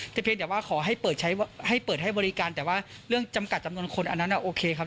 แต่เพียงแต่ว่าขอให้เปิดใช้ให้เปิดให้บริการแต่ว่าเรื่องจำกัดจำนวนคนอันนั้นโอเคครับ